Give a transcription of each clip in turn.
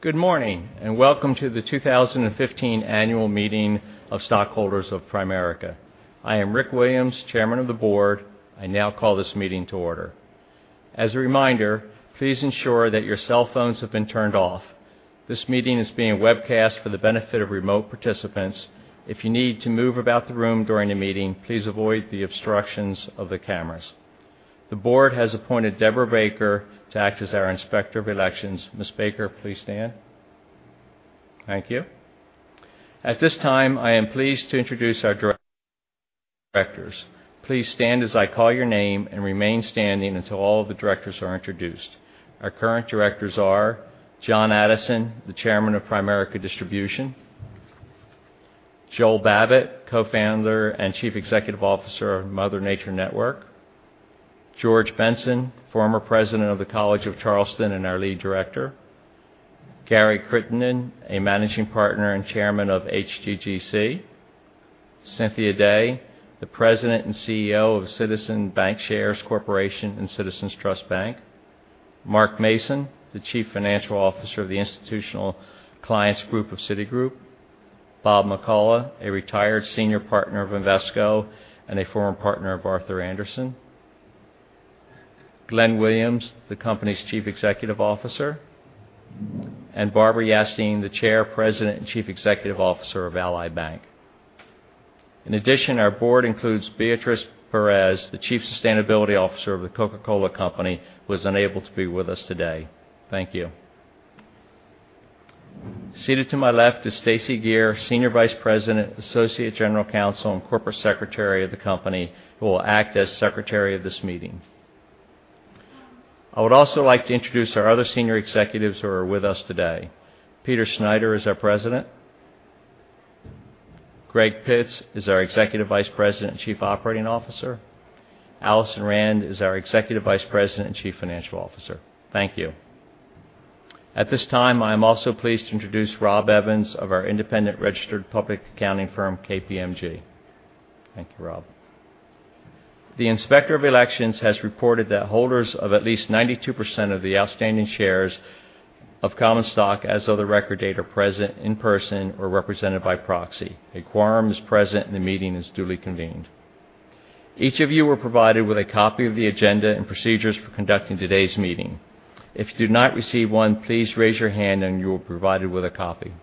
Good morning, welcome to the 2015 annual meeting of stockholders of Primerica. I am Rick Williams, chairman of the board. I now call this meeting to order. As a reminder, please ensure that your cell phones have been turned off. This meeting is being webcast for the benefit of remote participants. If you need to move about the room during the meeting, please avoid the obstructions of the cameras. The board has appointed Debra Baker to act as our Inspector of Elections. Ms. Baker, please stand. Thank you. At this time, I am pleased to introduce our directors. Please stand as I call your name and remain standing until all of the directors are introduced. Our current directors are John Addison, the chairman of Primerica Distribution; Joel Babbit, co-founder and chief executive officer of Mother Nature Network; George Benson, former president of the College of Charleston and our lead director; Gary Crittenden, a managing partner and chairman of HGGC; Cynthia Day, the president and CEO of Citizens Bancshares Corporation and Citizens Trust Bank; Mark Mason, the chief financial officer of the Institutional Clients Group of Citigroup; Bob McCullough, a retired senior partner of Invesco and a former partner of Arthur Andersen; Glenn Williams, the company's chief executive officer; Barbara Yastine, the chair, president, and chief executive officer of Ally Bank. Our board includes Beatriz Perez, the chief sustainability officer of The Coca-Cola Company, who was unable to be with us today. Thank you. Seated to my left is Stacey Geer, senior vice president, associate general counsel, and corporate secretary of the company, who will act as secretary of this meeting. I would also like to introduce our other senior executives who are with us today. Peter Schneider is our president. Greg Pitts is our executive vice president and chief operating officer. Alison Rand is our executive vice president and chief financial officer. Thank you. At this time, I am also pleased to introduce Rob Evans of our independent registered public accounting firm, KPMG. Thank you, Rob. The Inspector of Elections has reported that holders of at least 92% of the outstanding shares of common stock as of the record date are present in person or represented by proxy. A quorum is present, and the meeting is duly convened. Each of you were provided with a copy of the agenda and procedures for conducting today's meeting. If you did not receive one, please raise your hand, and you will be provided with a copy.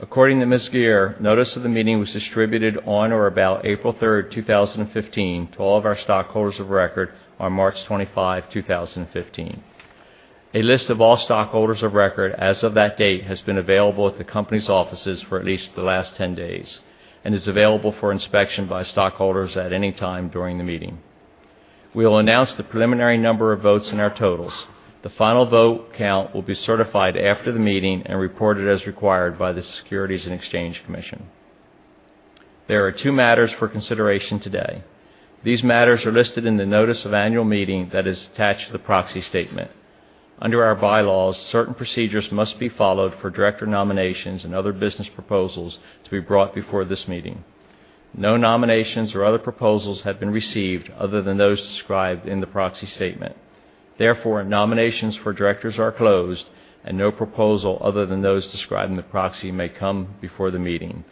According to Ms. Geer, notice of the meeting was distributed on or about April 3rd, 2015, to all of our stockholders of record on March 25, 2015. A list of all stockholders of record as of that date has been available at the company's offices for at least the last 10 days and is available for inspection by stockholders at any time during the meeting. We will announce the preliminary number of votes in our totals. The final vote count will be certified after the meeting and reported as required by the Securities and Exchange Commission. There are two matters for consideration today. These matters are listed in the notice of annual meeting that is attached to the proxy statement. Under our bylaws, certain procedures must be followed for director nominations and other business proposals to be brought before this meeting. No nominations or other proposals have been received other than those described in the proxy statement. Therefore, nominations for directors are closed, no proposal other than those described in the proxy may come before the meeting.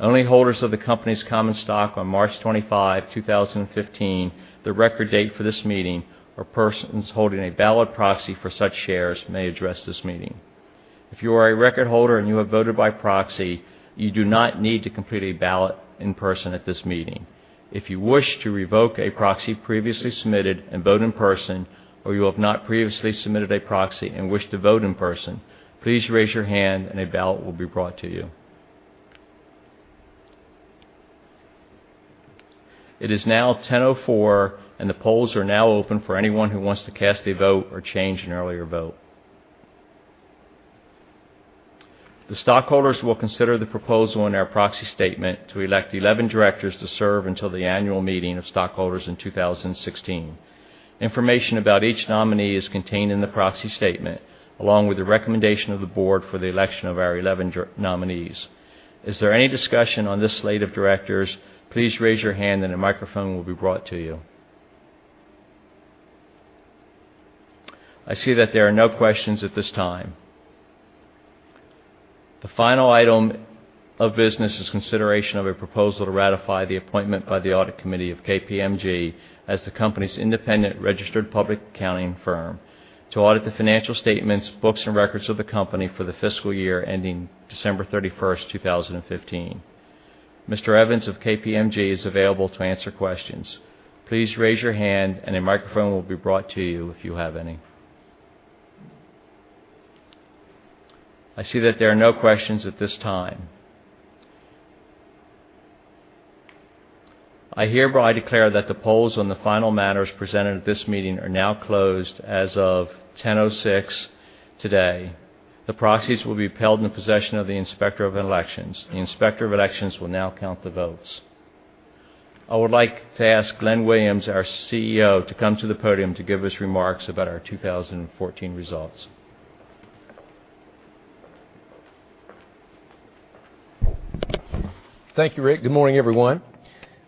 Only holders of the company's common stock on March 25, 2015, the record date for this meeting, or persons holding a ballot proxy for such shares may address this meeting. If you are a record holder and you have voted by proxy, you do not need to complete a ballot in person at this meeting. If you wish to revoke a proxy previously submitted and vote in person, or you have not previously submitted a proxy and wish to vote in person, please raise your hand a ballot will be brought to you. It is now 10:04 A.M., the polls are now open for anyone who wants to cast a vote or change an earlier vote. The stockholders will consider the proposal in our proxy statement to elect 11 directors to serve until the annual meeting of stockholders in 2016. Information about each nominee is contained in the proxy statement, along with the recommendation of the board for the election of our 11 nominees. Is there any discussion on this slate of directors? Please raise your hand and a microphone will be brought to you. I see that there are no questions at this time. The final item of business is consideration of a proposal to ratify the appointment by the Audit Committee of KPMG as the company's independent registered public accounting firm to audit the financial statements, books, and records of the company for the fiscal year ending December 31, 2015. Mr. Evans of KPMG is available to answer questions. Please raise your hand, a microphone will be brought to you if you have any. I see that there are no questions at this time. I hereby declare that the polls on the final matters presented at this meeting are now closed as of 10:06 A.M. today. The proxies will be held in the possession of the Inspector of Elections. The Inspector of Elections will now count the votes. I would like to ask Glenn Williams, our CEO, to come to the podium to give his remarks about our 2014 results. Thank you, Rick. Good morning, everyone.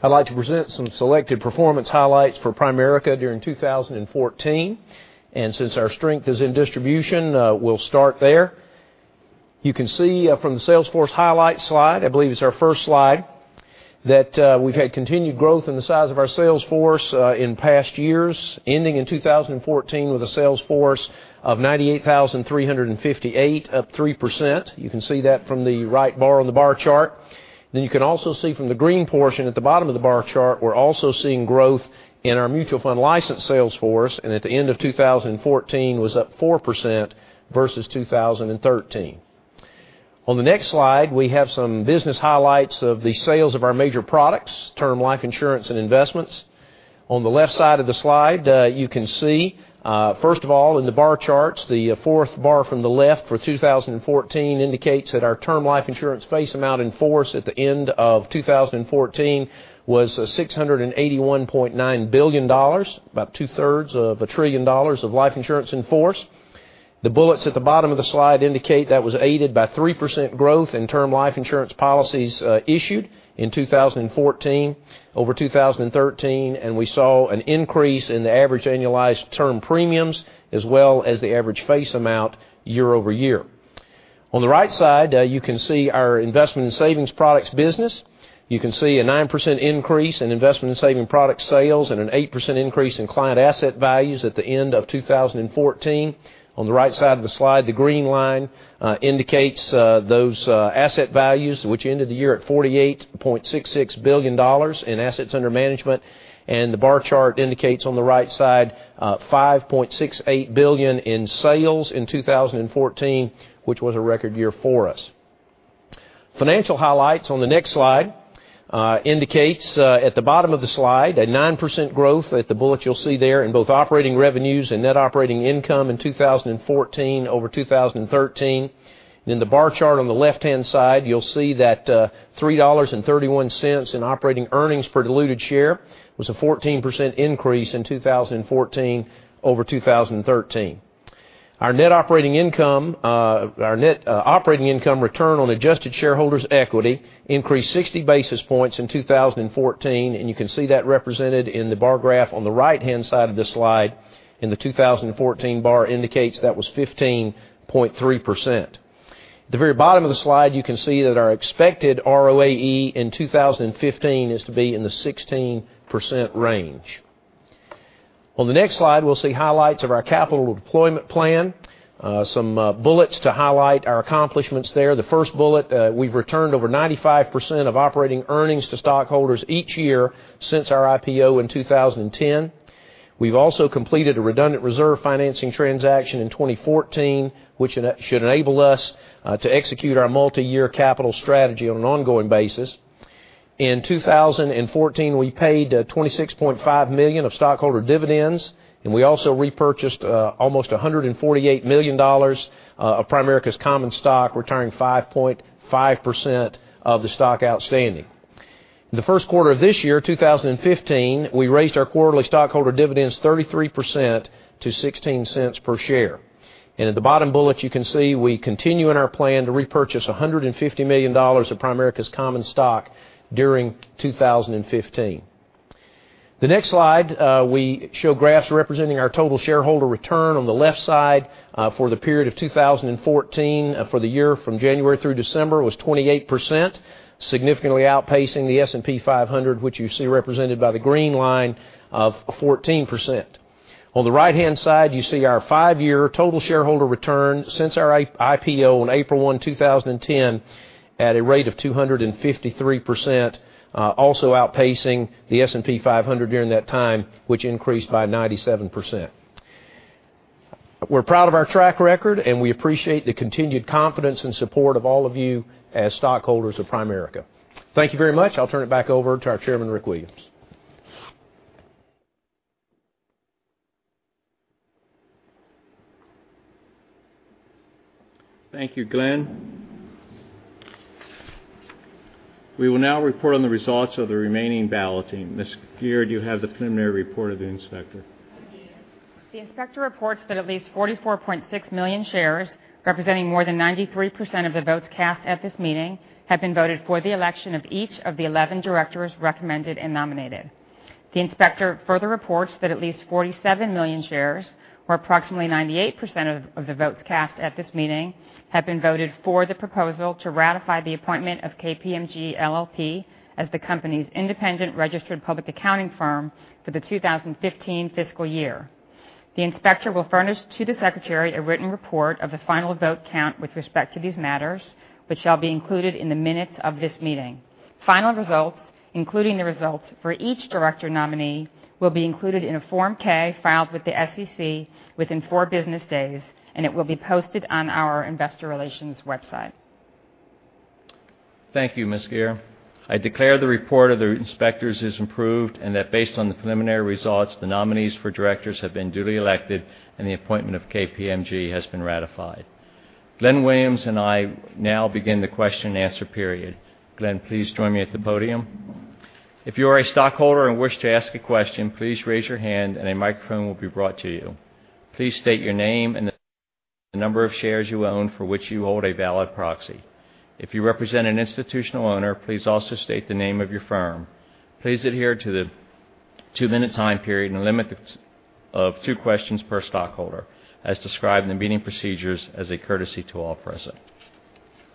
I'd like to present some selected performance highlights for Primerica during 2014. Since our strength is in distribution, we'll start there. You can see from the sales force highlights slide, I believe it's our first slide, that we've had continued growth in the size of our sales force in past years, ending in 2014 with a sales force of 98,358, up 3%. You can see that from the right bar on the bar chart. You can also see from the green portion at the bottom of the bar chart, we're also seeing growth in our mutual fund licensed sales force, at the end of 2014 was up 4% versus 2013. On the next slide, we have some business highlights of the sales of our major products, Term Life Insurance and investments. On the left side of the slide, you can see, first of all, in the bar charts, the fourth bar from the left for 2014 indicates that our Term Life Insurance face amount in force at the end of 2014 was $681.9 billion, about two-thirds of a trillion dollars of life insurance in force. The bullets at the bottom of the slide indicate that was aided by 3% growth in Term Life Insurance policies issued in 2014 over 2013, and we saw an increase in the average annualized term premiums as well as the average face amount year-over-year. On the right side, you can see our Investment and Savings Products business. You can see a 9% increase in Investment and Savings Product sales and an 8% increase in client asset values at the end of 2014. On the right side of the slide, the green line indicates those asset values, which ended the year at $48.66 billion in assets under management, and the bar chart indicates on the right side, $5.68 billion in sales in 2014, which was a record year for us. Financial highlights on the next slide indicates, at the bottom of the slide, a 9% growth at the bullet you'll see there in both operating revenues and net operating income in 2014 over 2013. The bar chart on the left-hand side, you'll see that $3.31 in operating earnings per diluted share was a 14% increase in 2014 over 2013. Our net operating income return on adjusted shareholders' equity increased 60 basis points in 2014, and you can see that represented in the bar graph on the right-hand side of the slide, and the 2014 bar indicates that was 15.3%. At the very bottom of the slide, you can see that our expected ROAE in 2015 is to be in the 16% range. On the next slide, we'll see highlights of our capital deployment plan. Some bullets to highlight our accomplishments there. The first bullet, we've returned over 95% of operating earnings to stockholders each year since our IPO in 2010. We've also completed a redundant reserve financing transaction in 2014, which should enable us to execute our multi-year capital strategy on an ongoing basis. In 2014, we paid $26.5 million of stockholder dividends, and we also repurchased almost $148 million of Primerica's common stock, retiring 5.5% of the stock outstanding. In the first quarter of this year, 2015, we raised our quarterly stockholder dividends 33% to $0.16 per share. At the bottom bullet, you can see we continue in our plan to repurchase $150 million of Primerica's common stock during 2015. The next slide, we show graphs representing our total shareholder return on the left side for the period of 2014. For the year from January through December was 28%, significantly outpacing the S&P 500, which you see represented by the green line of 14%. On the right-hand side, you see our five-year total shareholder return since our IPO on April 1, 2010, at a rate of 253%, also outpacing the S&P 500 during that time, which increased by 97%. We're proud of our track record, and we appreciate the continued confidence and support of all of you as stockholders of Primerica. Thank you very much. I'll turn it back over to our Chairman, Rick Williams. Thank you, Glenn. We will now report on the results of the remaining balloting. Ms. Geer, do you have the preliminary report of the inspector? The inspector reports that at least 44.6 million shares, representing more than 93% of the votes cast at this meeting, have been voted for the election of each of the 11 directors recommended and nominated. The inspector further reports that at least 47 million shares, or approximately 98% of the votes cast at this meeting, have been voted for the proposal to ratify the appointment of KPMG LLP as the company's independent registered public accounting firm for the 2015 fiscal year. The inspector will furnish to the secretary a written report of the final vote count with respect to these matters, which shall be included in the minutes of this meeting. Final results, including the results for each director nominee, will be included in a Form 8-K filed with the SEC within four business days. It will be posted on our investor relations website. Thank you, Ms. Geer. I declare the report of the inspectors is improved. Based on the preliminary results, the nominees for directors have been duly elected and the appointment of KPMG has been ratified. Glenn, Williams, and I now begin the question and answer period. Glenn, please join me at the podium. If you are a stockholder and wish to ask a question, please raise your hand and a microphone will be brought to you. Please state your name and the number of shares you own for which you hold a valid proxy. If you represent an institutional owner, please also state the name of your firm. Please adhere to the two-minute time period and limit of two questions per stockholder, as described in the meeting procedures as a courtesy to all present.